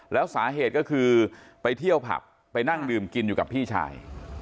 แล้วสาเหตุก็คือไปเที่ยวผับไปนั่งดื่มกินอยู่กับพี่ชาย